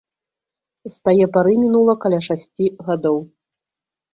З тае пары мінула каля шасці гадоў.